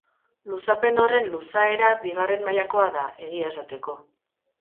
Luzapen horren luzaera bigarren mailakoa da, egia esateko.